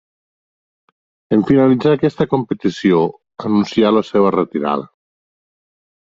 En finalitzar aquesta competició anuncià la seva retirada.